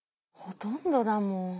ほとんどだもん。